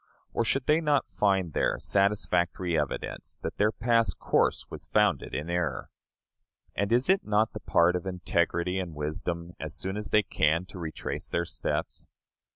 Or should they not find there satisfactory evidence that their past course was founded in error? And is it not the part of integrity and wisdom, as soon as they can, to retrace their steps?